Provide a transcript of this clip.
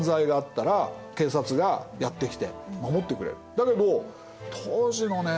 だけど当時のね